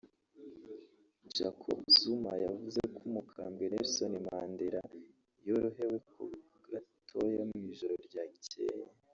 Jacob Zuma yavuze ko umukambwe Nelson Mandela yorohewe ho gatoya mu ijoro ryakeye